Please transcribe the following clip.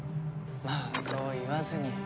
まあそう言わずに。